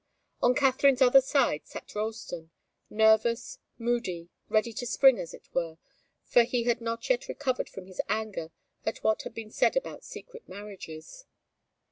On Katharine's other side sat Ralston, nervous, moody, ready to spring, as it were, for he had not yet recovered from his anger at what had been said about secret marriages.